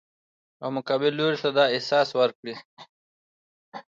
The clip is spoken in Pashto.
او مقابل لوري ته دا احساس ورکړي